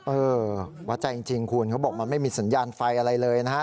เออวัดใจจริงคุณเขาบอกมันไม่มีสัญญาณไฟอะไรเลยนะฮะ